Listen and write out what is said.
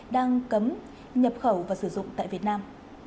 đang cấm nhập khẩu và sử dụng tại việt nam